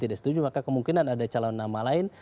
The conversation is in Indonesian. tidak setuju maka kemungkinan ada calon nama lain